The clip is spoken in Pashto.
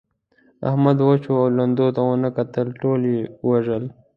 احمد وچو او لندو ته و نه کتل؛ ټول يې ووژل.